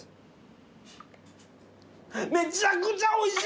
めちゃくちゃおいしい！